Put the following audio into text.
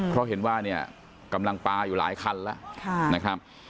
เพราะเห็นว่าเนี่ยกำลังปลาอยู่หลายคันแล้วนะครับ